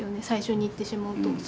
最初にいってしまうと。